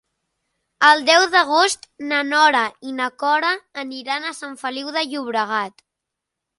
El deu d'agost na Nora i na Cora aniran a Sant Feliu de Llobregat.